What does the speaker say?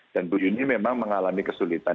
dan bu yuni memang mengalami kesulitan